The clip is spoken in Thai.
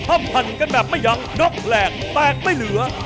ทำพันกันแบบไม่ยั้งยกแหลกแตกไม่เหลือ